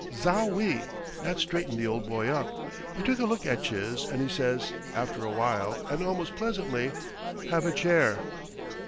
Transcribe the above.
Zowie! that straightened the old boy up. He took a look at Chiz, and he says, after a while and almost pleasantly: "Have a chair."